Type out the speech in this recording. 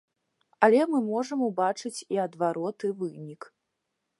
Але мы можам убачыць і адвароты вынік.